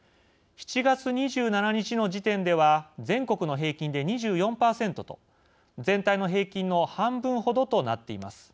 ７月２７日の時点では全国の平均で２４％と全体の平均の半分ほどとなっています。